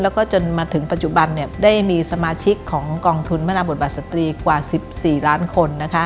แล้วก็จนมาถึงปัจจุบันได้มีสมาชิกของกองทุนมนาบทบาทสตรีกว่า๑๔ล้านคน